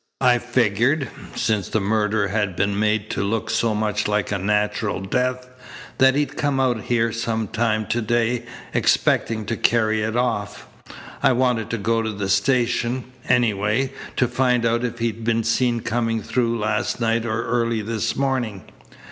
"I figured, since the murder had been made to look so much like a natural death, that he'd come out here some time to day, expecting to carry it off. I wanted to go to the station, anyway, to find out if he'd been seen coming through last night or early this morning.